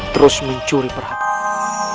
terus mencuri perhatianmu